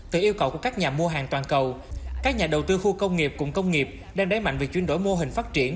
từ yêu cầu của các nhà mua hàng toàn cầu các nhà đầu tư khu công nghiệp cụm công nghiệp đang đáy mạnh việc chuyển đổi mô hình phát triển